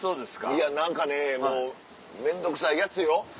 いや何かねもう面倒くさいヤツよ。